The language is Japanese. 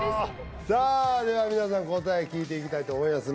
さあでは皆さん答え聞いていきたいと思います